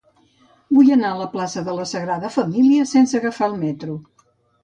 Vull anar a la plaça de la Sagrada Família sense agafar el metro.